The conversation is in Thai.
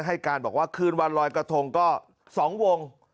ให้การบอกว่าคืนวันลอยกระทงก็๒วง